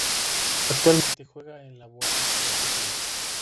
Actualmente juega en el Boa Esporte Clube.